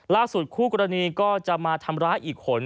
ล่าสุดคู่กรณีก็จะมาทำร้ายอีกคน